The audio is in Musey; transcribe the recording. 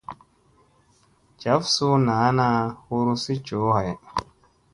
Jaf suu naana hurusi joohay.